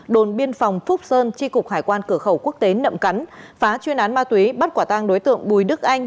đồn biên phòng phúc sơn tri cục hải quan cửa khẩu quốc tế nậm cắn phá chuyên án ma túy bắt quả tang đối tượng bùi đức anh